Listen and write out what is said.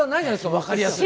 分かりやすい。